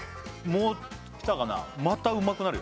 もうきたかな？